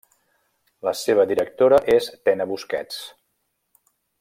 La seva directora és Tena Busquets.